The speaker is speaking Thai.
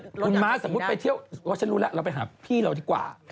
คุณม้าสมมุติไปเที่ยวว่าฉันรู้แล้วเราไปหาพี่เราดีกว่า